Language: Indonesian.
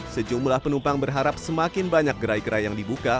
sejumlah penumpang berharap semakin banyak gerai gerai yang dibuka